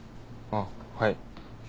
あっはい。